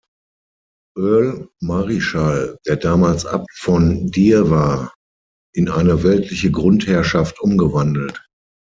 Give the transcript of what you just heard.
Earl Marischal, der damals Abt von Deer war, in eine weltliche Grundherrschaft umgewandelt.